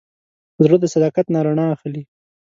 زړه د صداقت نه رڼا اخلي.